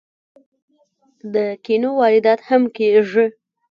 د کینو واردات هم کیږي.